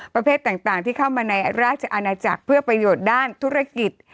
ประเภทต่างที่เข้ามาในราชอาณาจักรเพื่อประโยชน์ด้านธุรกิจ